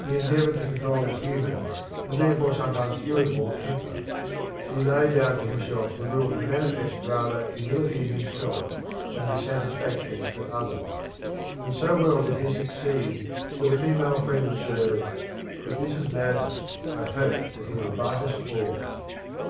He endeavoured to control a human, and therefore sometimes irritable, temper; he laid down for himself the rule to manifest rather humility in himself than dissatisfaction at others; and so well did he succeed that a female friend observed, "If this is madness I hope that he will bite us all."